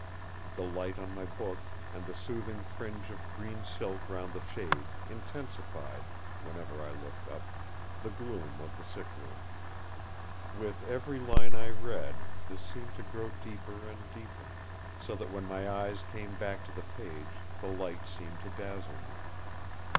The light on my book, and the soothing fringe of green silk round the shade intensified, whenever I looked up, the gloom of the sick room. With every line I read, this seemed to grow deeper and deeper; so that when my eyes came back to the page the light seemed to dazzle me.